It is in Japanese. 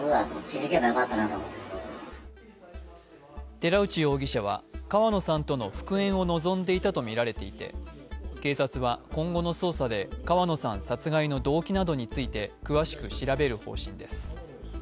寺内容疑者は川野さんとの復縁を望んでいたとみられていて、警察は、今後の捜査で川野さん殺害の動機などについて詳しく調べる方針です。